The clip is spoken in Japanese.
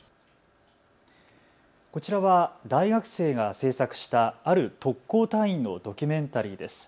こちらは大学生が制作したある特攻隊員のドキュメンタリーです。